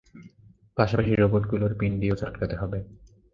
পাশাপাশি, রোবটগুলোর পিণ্ডিও চটকাতে হবে।